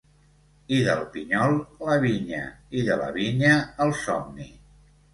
I del pinyol, la vinya, i de la vinya, el somni.